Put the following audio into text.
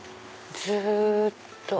ずっと。